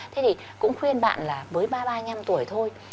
thế thì cũng khuyên bạn là với ba năm tuổi thôi